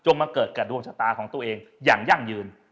มาเกิดกับดวงชะตาของตัวเองอย่างยั่งยืน